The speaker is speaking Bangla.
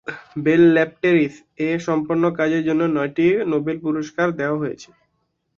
বেল ল্যাবরেটরিস-এ সম্পন্ন কাজের জন্য নয়টি নোবেল পুরস্কার দেওয়া হয়েছে।